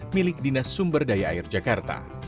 milik dinas sumber daya air jakarta